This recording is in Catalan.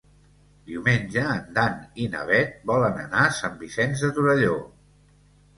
Diumenge en Dan i na Bet volen anar a Sant Vicenç de Torelló.